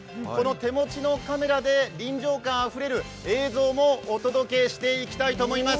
手持ちのカメラで臨場感あふれる映像もお届けしてきたいと思います。